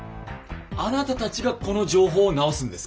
あなたたちがこの情報を直すんですか？